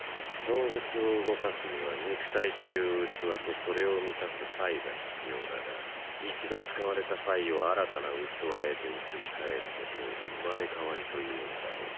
動物を動かすには肉体という器とそれを満たすファイが必要だが一度使われたファイを新たな器へと移し替えることを生まれ変わりと言うのだろう。